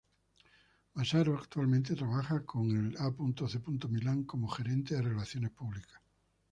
Massaro actualmente trabaja con el A. C. Milan como gerente de relaciones públicas.